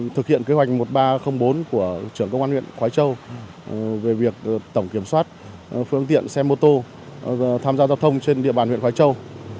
thực hiện kế hoạch một nghìn ba trăm linh bốn của trưởng công an huyện khói châu về việc tổng kiểm soát phương tiện xe mô tô tham gia giao thông trên địa bàn huyện khói châu